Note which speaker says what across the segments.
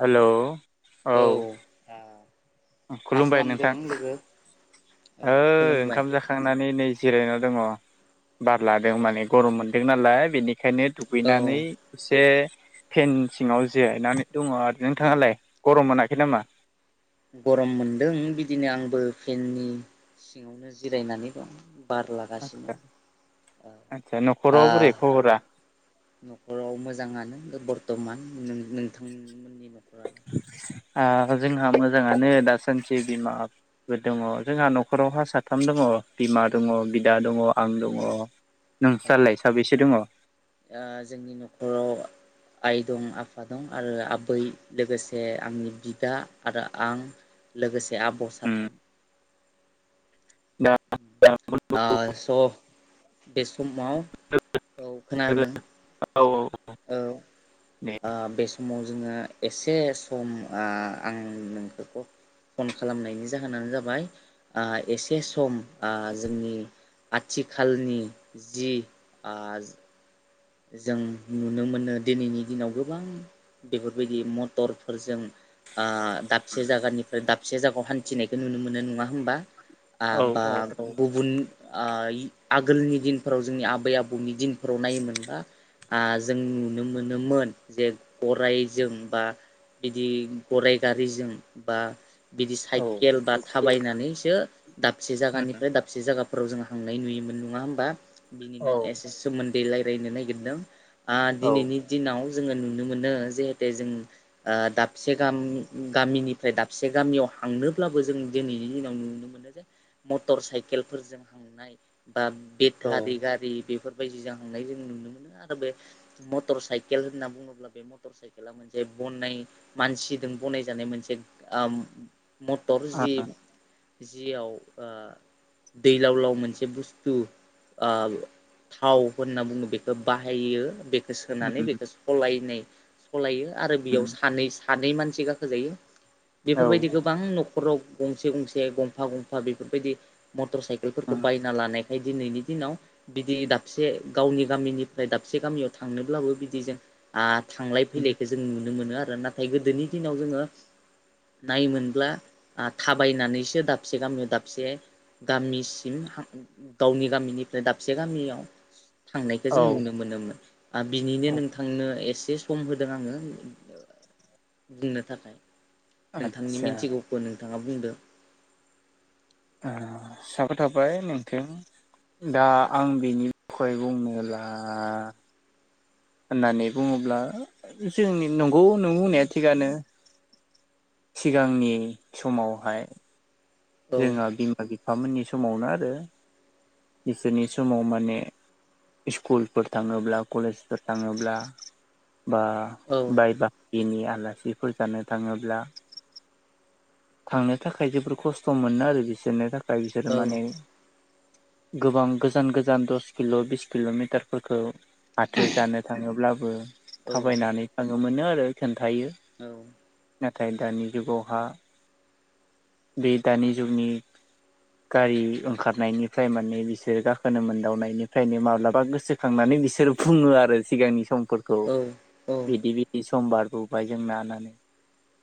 Speaker 1: हेल' औ
Speaker 2: मा
Speaker 1: खुलुमबाय
Speaker 2: खालामदों
Speaker 1: नोंथां
Speaker 2: लोगो? औ
Speaker 1: ओ
Speaker 2: खुलुमबाय
Speaker 1: ओंखाम जाखांनानै नै जिरायनायाव दङ बार लादों माने
Speaker 2: औ
Speaker 1: गरम मोनदों नालाय बेनिखायनो दुगैनानै एसे फेन सिङाव जिरायनानै दङ आरो नोंथाङालाय गरम मोनाखै नामा
Speaker 2: गरम मोनदों बिदिनो आंबो फेननि सिङावनो जिरायनानै दं बार लागासिनो
Speaker 1: आदसा
Speaker 2: आ
Speaker 1: न'खराव बोरै खबरा
Speaker 2: न'खराव मोजाङानो बर्थमान नोंथांमोननि न'खरालाय
Speaker 1: आ जोंहा मोजाङानो दासानसे बिमाफोर दङ जोंहा न'खराव हा साथाम दङ बिमा दङ बिदा दङ आं दङ
Speaker 2: औ
Speaker 1: नोंस्रालाय साबेसे दङ
Speaker 2: जोंनि न'खराव आइ दं आफा दं आरो आबै लोगोसे आंनि बिदा आरो आं लोगोसे आब'
Speaker 1: उम
Speaker 2: साथाम
Speaker 1: दा
Speaker 2: स' बे समाव औ खोनादों
Speaker 1: औ
Speaker 2: औ बे समाव जोङो एसे एसे सम आं नोंखखौ फन खालामनायनि जाहोनानो जाबाय एसे सम आ जोंनि आथिखालनि जि आ जों नुनो मोनो दिनैनि दिनाव गोबां बेफोरबायदि मटरफोरजों ओ दाबसे जायगानिफ्राय दाबसे जायगायाव हान्थिनायखौ नुनो मोनो नङा होमबा आ
Speaker 1: औ
Speaker 2: बा
Speaker 1: औ औ
Speaker 2: गुबुन आगोलनि दिनफोराव जोंनि आबै आबौनि दिन फोराव नायोमोन आ जों नुनो मोनोमोन जे गरायजों बा बिदि गरराय गारिजों बा बिदि साइकेल बा थाबायनानैसो दाबसे
Speaker 1: औ
Speaker 2: जायगानिफ्राय दाबसे जाया फोराव जों हांनाय नुयोमोन नङा होमबा बिनिनो
Speaker 1: औ
Speaker 2: एसे सोमोन्दै रायजलायनो नागिरदों आ
Speaker 1: औ
Speaker 2: दिनैनि दिनाव जोङो नुनो मोनो जिहेते जों ओ दाबसे गामि गामिनिफ्राय दाबसे गामियाव हांनोब्लाबो जों दिनैनि दिनाव नुनो मोनो जे मटर साइकेलफोरजों हांनाय ओ
Speaker 1: औ
Speaker 2: बेटारि गारि बेफोरबायदि जों थांनाय जों नुनो मोनो आरो बे मटर साइकेल होनना बुङोब्ला बे मटर साइकेला मोनसे बनाय मानसिजों बनाय जानाय मोनसे ओ मथर जि जियाव ओ दैलाव लाव मोनसे बुस्थु ओ थाव होनना बुङो बेखौ बाहायो बेखौ सोनानै बेखौ सलायनाय सलायो आरो बेयाव सानै सानै मानसि गाखोजायो बेफोरबायदि गोबां नख नखराव गंसे गंसे गंफा गंफा बेफोरबायदि मटर
Speaker 1: औ
Speaker 2: साइकेलफोरखौ बायना लानाय दिनैनि दिनाव बिदि दाबसे गावनि गामिनिफ्राय दाबसे गामियाव थांनोब्लाबो बिदि जों आ थांलाय फैलायखौ जों नु नुनो मोनो आरो नाथाय गोदोनि दिनाव जोङो नायोनब्ला ओ थाबायनानैसो दाबसे गामियाव दाबसे गामिसिम गावनि गामिनिफ्राय दाबसे गामियाव थांनायखौ जों नुनो मोनोमोन आरो बिनिनो नोंथांनो एसे एसे सम होदों आङो बुंनो थाखाय नोंथांनि
Speaker 1: आदसा
Speaker 2: मिथिगौखौ नोंथाङा बुंदो
Speaker 1: साबाय थाबाय नोंथां दा आं बेनि बुंनोब्ला होननानै बुनङोब्ला जोंनि नंगौ नों बुंनाया थिगानो सिगांनि समावहाय
Speaker 2: औ
Speaker 1: जोंहा बिमा बि फामोननि समावनो आरो इसोरनि समाव माने स्कुलफोर थांङोब्ला कलेजफोर थांङोब्ला बा
Speaker 2: औ
Speaker 1: बाय बा हागिनि आलासिफोर जानो थांङोब्ला थांनो थाखाय जोबोर खस्थ सम मोनो आरो बिसोरनो थाखाय बिसोरो माने गोबां गोजान गोजान दस किल बिस किलमिटारफोरखौ फाथो जानो थांङोब्लाबो
Speaker 2: औ
Speaker 1: थाबायनानै थाङोमोनो आरो खन्था थायो नाथाय दानि जुगावहा बे दानि जुगनि गारि ओंखारनायनिफ्राय माने बिसोरो गाखोनो मोनदावनायनिफ्रायनो माब्लाबा गोसोखांनानै मे बिसोर बुंङो आरो सिगांनि सम फोरखौ
Speaker 2: औ
Speaker 1: बिदि बिदि सम बारबोबाय जोंनाहोनै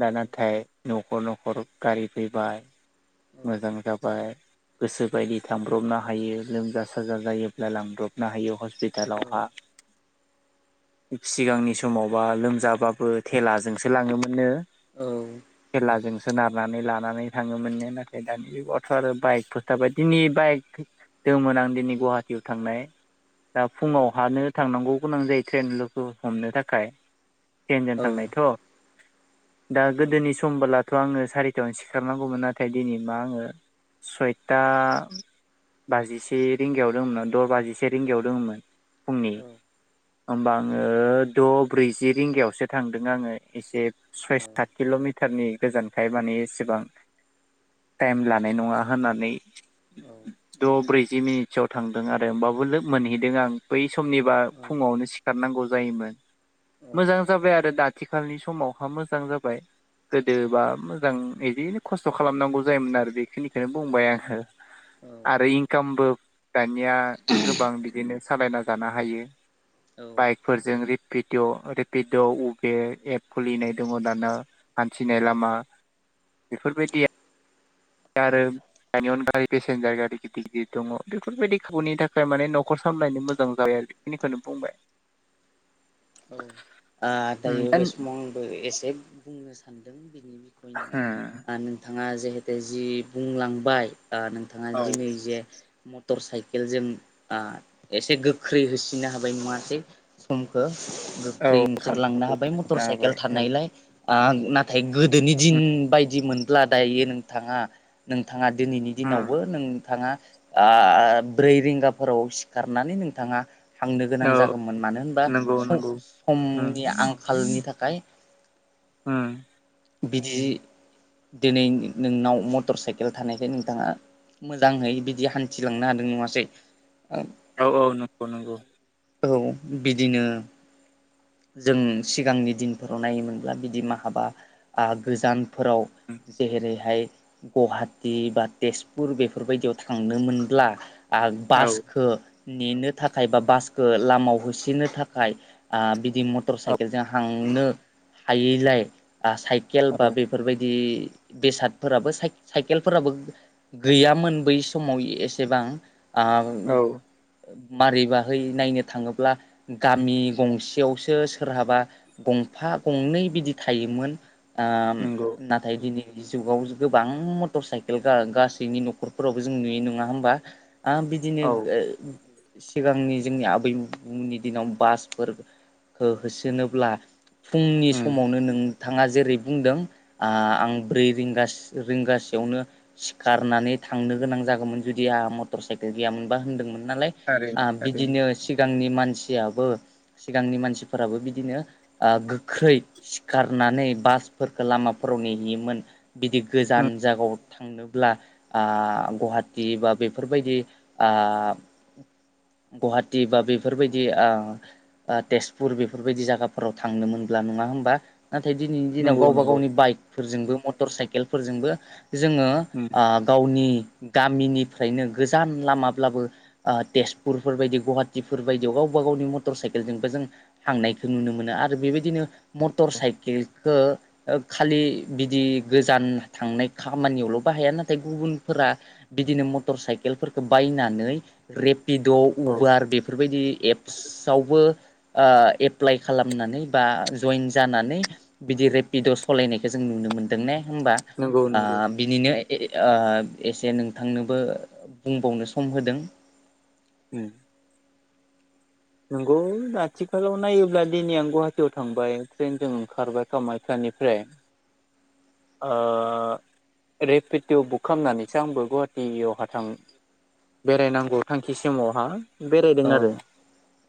Speaker 1: दा नाथाय नखर नखर गारि फैबाय मोजां जाबाय गोसो बायदि थांब्रबनो हायो लोमजा साजा जायोब्ला लांब्रबनो हायो हस हस्पिटालाव हा सिगांनि समावबा लोमजाबाबो थेलाजोंसो लांङोमोनो
Speaker 2: औ
Speaker 1: सोनारनानै लानानै थांङोमोननो नाथाय दानि जुगावथ आरो बाइक फोर थाब बायदि बाइक दंमोन आं दिनै गुवाहाटियाव थांनाय दा फुङावहानो थांनांगौ गोनां जायो ट्रेन लोगो हमनो थाखाय [unintelligible] थांनायथ' दा गोदोनि समबोलाथ' आंङो सारिथायावनो सिखारनांगौमोन नाथाय दिनै मा आंङो सयथा बाजिसे रिंगायाव दंङमोन द' बाजिसे रिंगायाव दङमोन फुंनि होमबा आंङो द ब्रैजि रिंगायावसो थांदों आंङो एसे सय सात किलमिटारनि गोजानखाय माने एसेबां टाइम लानाय नंङा होननानै द ब्रै जि मिनिटसोआव थांदों आरो होमबाबो मोनहैदों आं बै समनिबा फुंङावनो सिखारनांगौ जायोमोन मोजां जाबाय आरो आथिखालनि समावहा मोजां जाबाय गोदोबा मोजां बिदिनो खस्थ' खालामनांगौ जायोमोन आरो बेखिनिखौनो बुंबाय आंङो आरो इनकामबो दानिया गोबां बिदिनो सालायना जानो हायो
Speaker 2: औ
Speaker 1: बाइकफोरजों रि रेपिदिअ रेपिडअ उबे एप खुलिनाय दंङ दाना
Speaker 2: औ
Speaker 1: हान्थिनाय लामा बेफोरबायदिया आरो दानि अनगा पेसेन्जार गारि गिदिर गिदिर दंङ बेफोरबायदि खाबुनि थाखाय माने न'खर स खालामलायनो मोजां जाबाय आरो बेखिनिखौनो बुंबाय
Speaker 2: [inaudible] ओ
Speaker 1: उम
Speaker 2: दायो
Speaker 1: दा
Speaker 2: बे
Speaker 1: उम
Speaker 2: समाव आंबो एसे बुंनो सान्दों बिखयनो नोंथाङा जिहेते जि बुंलांबाय ओ नोंथाङा
Speaker 1: औ
Speaker 2: दिनै जे म मटर साइकेलजों ओ एसे गोख्रै होसिननो हाबाय नङासै समखौ
Speaker 1: औ
Speaker 2: गोख्रै ओंखारलांनो
Speaker 1: समफोरखौ
Speaker 2: हाबाय मटर
Speaker 1: होसोना
Speaker 2: साइकेल
Speaker 1: होबाय औ
Speaker 2: थानायलाय ओ नाथाय गोदोनि दिन
Speaker 1: उम
Speaker 2: बायदि मोनब्ला दायो नोंथाङा नोंथ नोंथाङा दिनैनि दिनावबो नोंथाङा ओ ब्रै रिंगाफोराव सिखारनानै नोंथाङा थांनो गोनां
Speaker 1: औ
Speaker 2: जागौमोन मानो होनबा
Speaker 1: नंगौ
Speaker 2: सम
Speaker 1: नंगौ उम
Speaker 2: समनि आंखाल हालनि थाखाय।
Speaker 1: उम
Speaker 2: बिदि दिनै नोंनाव मटर साइकेल थानायखाय नोंथाङा मोजाङै बिदि हान्थिलांनो हादों नङासै?
Speaker 1: औ औ नंगौ नंगौ
Speaker 2: औ बिदिनो जों सिगांनि दिनफोराव नायोमोनब्ला बिदि माहाबा आ गोजान फोराव
Speaker 1: उम
Speaker 2: जेरैहाय गुवाहाटि बा तेजपुर बेफोरबायदियाव थांनो मोनब्ला आ
Speaker 1: औ
Speaker 2: बासखो नेनो थाखाय बा बासखो लामायाव होसोनो थाखाय बि दि मटर
Speaker 1: औ
Speaker 2: साइकेलजों हांनो हायैलाय साइकेल बा
Speaker 1: औ
Speaker 2: बेफोरबायदि बेसादफोराबो साइकेलफोराबो गैयामोन बै समाव एसेबां। आ
Speaker 1: औ
Speaker 2: मारैबाहै नायनो थाङोब्ला गामि गंसेयाव सो सोरहाबा गंफा गंनै बिदि थायोमोन। ओ
Speaker 1: नंगौ
Speaker 2: नाथाय दिनै जुगाव गोबां मटर साइकेल गासैनि न'खरफोरावबो जों नुयो नङा होमबा। आं बिदिनो
Speaker 1: औ
Speaker 2: सिगांनि जोंनि आबैनि दिनाव बासफोरखौ होसोनोब्ला फुंनि
Speaker 1: उम
Speaker 2: समावनो नोंथाङा जेरै बुंदों आं ब्रै रिंगा रिंगसेयावनो सिखारनानै थांनो गोनां जागौमोन जुदि आहा मटर साइकेल गैयोनबा होन्दोंमोन नालाय
Speaker 1: थारैनो थारैनो
Speaker 2: बिदिनो सिगांनि मानसियाबो सिगांनि मानसि फोराबो बिदिनो ओ गोख्रै सिखारनानै बासफोरखौ लामाफोराव नेहैयोमोन। बिदि
Speaker 1: उम
Speaker 2: गोजान जागाव थांनोब्ला आ गहाटि बा बेफोरबायदि आ गुहाटि बा बेफोरबायदि ओ ओ तेज पुर बेफोरबायदि जायगाफोराव थांनो मोनब्ला नङा होमबा नाथाय दिनैनि दिनाव
Speaker 1: नंगौ
Speaker 2: गावबा
Speaker 1: नंगौ
Speaker 2: गावनि बाइक फोरजोंबो मटर साइकेलफोरजोंबो जोङो
Speaker 1: उम
Speaker 2: ओ गावनि गामिनिफ्रायनो गोजान लामाब्लाबो ओ तेजपुरफोर बायदि गुवाहाटिफोर बायदियाव गाव गावबा गावनि मटर साइकेलजोंबो जों थांनायखौ नुनो मोनो आरो बेबायदिनो मटर साइकेल खो ओ खालि बिदि गोजान थांनाय खामानियावल' बाहाया नाथाय गुबुनफोरा रा बिदिनो मटर साइकेलफोरखौ बायनानै रेपिड'
Speaker 1: औ
Speaker 2: उबार बेफोरबायदि एप्स आवबो ओ एप्लाइ खालामनानै बा जइेन जानानै बिदि रेपिड' सालायनायखौ जों नुनो मोनो। मोनदों ने होनोमबा
Speaker 1: नंगौ
Speaker 2: ओ
Speaker 1: नंगौ
Speaker 2: बिनिनो ओ एसे नोंथांनोबो बुंबावनो सम होदों।
Speaker 1: उम नंगौ आथिखालाव नायोब्ला दिनै आं गुवाहाटियाव थांबाय ट्रेनजों ओंखारबाय खामायखानि निफ्राय रेपिट' बुक खालामनानैसो आंबो गुवाहाटियावहा थां बेरायनांगौ थांखि समावहा बेरायदों
Speaker 2: औ
Speaker 1: आरो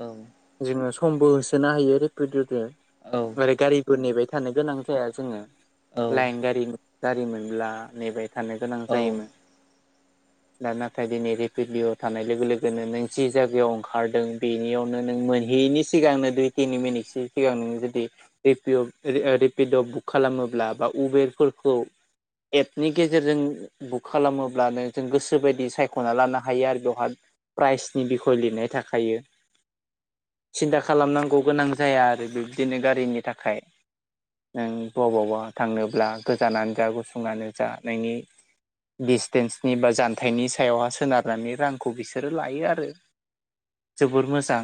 Speaker 2: औ
Speaker 1: जोङो समबो होसोनो हायो रेपि'त दो।
Speaker 2: औ
Speaker 1: ओफ्राय गारिफोर नेबाय थानो गोनां जाया जोङो।
Speaker 2: औ
Speaker 1: लाइन गारि गारि मोनब्ला नेबाय थानो गोनां
Speaker 2: औ
Speaker 1: जायोमोन।
Speaker 2: [inaudible]
Speaker 1: दा नाथाय दिनै रेपिडलियाव थानाय लोगो लोगोनो नों जि जायगायाव ओंखारदों बेनियावनो नों मोन बेनि सिगांनो दुइ तिनि मिनिटसो सिगां ननो जुदि रेपिअ' रिपिड' बुक खालामोब्ला बाव उबेरफोरखौ। एपनि गेजेरजों बुक खालामोब्लानो जों गोसो बायदि सायख'ना लानो हायो आरो बेवहाय। प्राइजनि बिख'य लिरनाय थाखायो । सिन्था खालामनांगौ गोनां जाया आरो बिब्दिनो गारिनि थाखाय। नों बबबावबा थांनोब्ला गोजानानो जा गुसुंआनो जा नोंनि दिडिसटेन्सनि बा जानथायाइनि सायावहा सोनारनानै रांखौ बिसोरो लायो आरो जोबोर मोजां।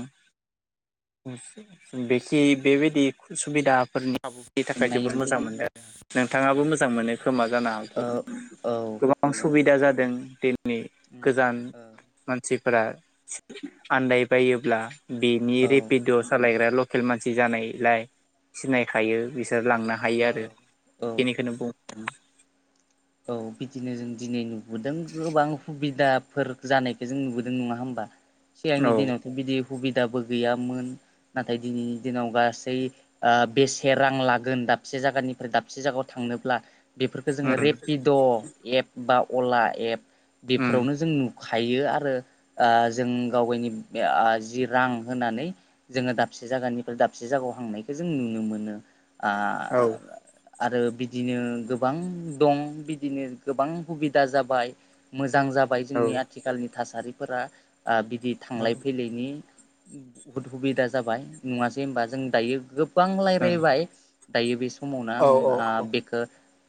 Speaker 1: बेखि बेबायदि सुबिदाफोरनि आाबुनि थाखाय जोबोर
Speaker 2: नायोमोन
Speaker 1: मोजां
Speaker 2: बिदि
Speaker 1: मोनदो नोंथाङाबो मोजां मोनो खोमा जानो हागौ
Speaker 2: औ औ
Speaker 1: गोबां
Speaker 2: औ
Speaker 1: सुबिदा जादों दिननि
Speaker 2: उम
Speaker 1: गोजान
Speaker 2: औ
Speaker 1: मानसि फोरा आनदायबायोब्ला बिनि
Speaker 2: औ
Speaker 1: रेपिड' सालायग्रा ल खेल मानसि जानायलाय सिनायखायो बिसोर लांनो हायो
Speaker 2: औ
Speaker 1: आरो
Speaker 2: औ
Speaker 1: बेखिनिखोनो बुं [unintelligible]
Speaker 2: औ बिदिनो जों दिनै नुबोदों गोबां खुबिदा फोर जानायखौ जों नुबोदों नङा होमबा सिगांनि
Speaker 1: औ
Speaker 2: दिनावथ' बिदि खुबिदाबो गैयामोन नाथाय दिनैनि दिनाव गासै ओ बेसे रां लागोन दाबसे जायगानिफ्राय दाबसे जागायाव थां थांडोब्ला बेफोरखो जोङो
Speaker 1: उम
Speaker 2: रेपिड' एप बा अला एप
Speaker 1: उम
Speaker 2: बेफोरावनो जों नु खायो आरो ओ जों गावगायनि जि रां होनानै जोङो दाबसे दाबसे जायगानिफ्राय दाबसे जायगायाव हांनायखौ जों नुनो मोनो आ
Speaker 1: औ
Speaker 2: आरो बिदिनो गोबां दं । बिदिनो गोबां खुहिदा जाबाय मोजां जाबाय मोजां जाबाय
Speaker 1: औ
Speaker 2: जोंनि आथिखालनि थासारि फोरा ओबिदि
Speaker 1: औ
Speaker 2: थांलाय फैलायनि बहुद हुबिदा जाबाय नुवासै होमबा जों दायो गोबां रायलायबाय दायो बे समावनो आं
Speaker 1: औ
Speaker 2: ओ बेखो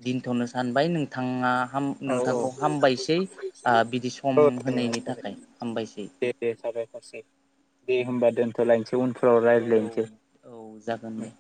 Speaker 2: दोनथ'नो सानबाय नोंथाङा हाम
Speaker 1: औ
Speaker 2: नोंथांखौ
Speaker 1: औ
Speaker 2: हामबायसै ओ बिदि सम होनायनि थाखाय हामबायसै
Speaker 1: दे दे दे होमबा दोनथ'लायनोसै ।
Speaker 2: औ औ जागोन दे।